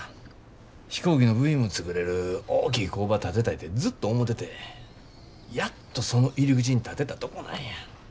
飛行機の部品も作れる大きい工場建てたいてずっと思ててやっとその入り口に立てたとこなんや。